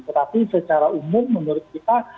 tetapi secara umum menurut kita